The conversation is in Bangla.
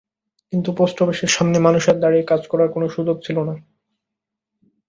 কিন্তু পোস্ট অফিসের সামনে মানুষের দাঁড়িয়ে কাজ করার কোনো সুযোগ ছিল না।